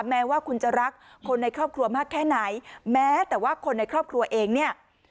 แม้ว่าคุณจะรักคนในครอบครัวมากแค่ไหนแม้แต่ว่าคนในครอบครัวเองเนี่ย